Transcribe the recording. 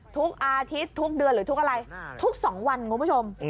ทุกอาทิตย์ทุกเดือนหรือทุกอะไรทุก๒วันคุณผู้ชม